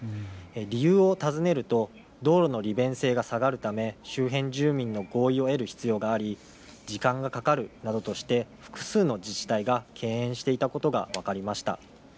理由を尋ねると道路の利便性が下がるため周辺住民の合意を得る必要があり時間がかかるなどとして複数の自治体が敬遠していたことが分かりました。